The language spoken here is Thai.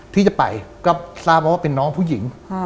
ที่จะไปก็ทราบว่าเป็นน้องผู้หญิง